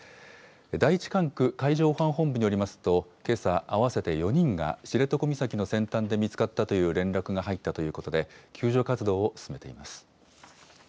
第１管区海上保安本部によりますと、けさ合わせて４人が知床岬の先端で見つかったという連絡が入ったということで、救助活動を進めています。